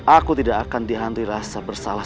aku tidak akan dihanti rasa bersalah